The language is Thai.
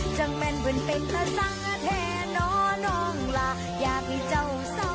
จังแม่นเป็นเป็นตะสังแท้นอนองล่ะอยากให้เจ้าเศร้าเศร้า